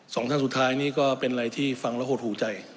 สองท่านสุดท้ายนี่ก็เป็นอะไรที่ฟังแล้วหดหูใจ